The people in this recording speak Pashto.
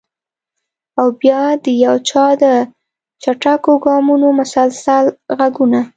او بیا د یو چا د چټکو ګامونو مسلسل غږونه!